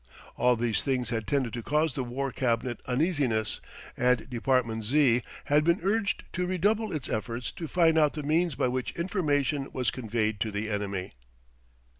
All these things had tended to cause the War Cabinet uneasiness, and Department Z. had been urged to redouble its efforts to find out the means by which information was conveyed to the enemy.